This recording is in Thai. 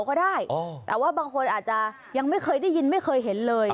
ก็ได้แต่ว่าบางคนอาจจะยังไม่เคยได้ยินไม่เคยเห็นเลย